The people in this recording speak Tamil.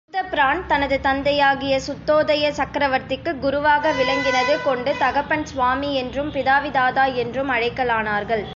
புத்தபிரான் தனது தந்தையாகிய சுத்தோதயச் சக்கிரவர்த்திக்குக் குருவாக விளங்கினது கொண்டு தகப்பன் சுவாமி என்றும் பிதாவிதாதா என்றும் அழைக்கலானார்கள்.